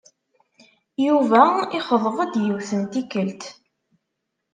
Yuba yexḍeb-d, yiwet n tikkelt.